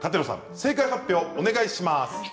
正解発表をお願いします。